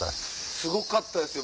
すごかったですよ。